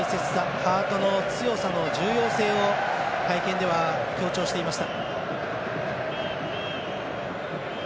ハートの強さの重要性を会見では強調していました。